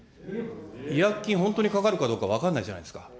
違約金、本当にかかるかどうか分からないじゃないですか。